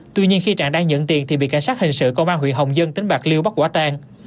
tuy nhiên khi trạng đang nhận tiền thì bị cảnh sát hình sự công an huyện hồng dân tỉnh bạc liêu bắt quả tang